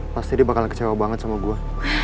pasti dia bakal kecewa banget sama gue